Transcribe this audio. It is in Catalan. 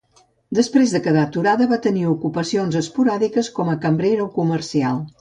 Després de quedar aturada va tenir ocupacions esporàdiques com a cambrera o comercial.